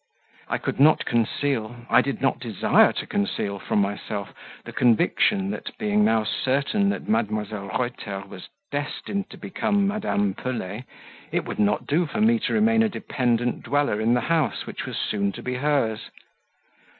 I could not conceal, I did not desire to conceal from myself the conviction that, being now certain that Mdlle. Reuter was destined to become Madame Pelet it would not do for me to remain a dependent dweller in the house which was soon to be hers.